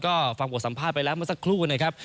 ก็ฟังบทสัมภาษณ์ไปแล้วเมื่อสักครู่นะครับ